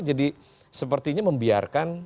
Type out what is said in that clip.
jadi sepertinya membiarkan